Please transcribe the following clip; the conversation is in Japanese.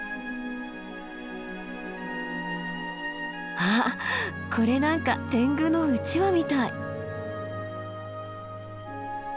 あっこれなんか天狗のうちわみたい。